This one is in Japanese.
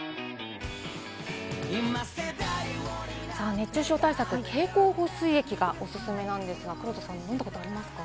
熱中症対策、経口補水液がおすすめなんですが、黒田さん飲んだことありますか？